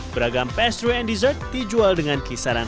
beragam pastry and dessert dijual dengan kisaran